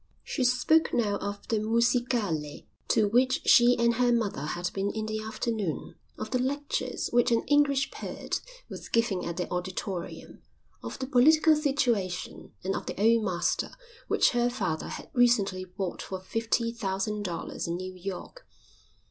She spoke now of the Musicale to which she and her mother had been in the afternoon, of the lectures which an English poet was giving at the Auditorium, of the political situation, and of the Old Master which her father had recently bought for fifty thousand dollars in New York.